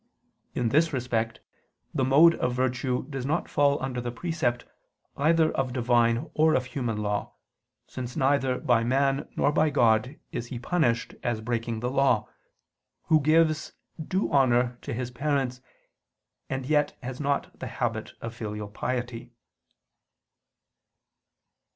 In this respect, the mode of virtue does not fall under the precept either of Divine or of human law, since neither by man nor by God is he punished as breaking the law, who gives due honor to his parents and yet has not the habit of filial piety.